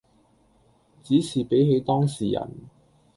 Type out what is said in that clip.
只是比起當時人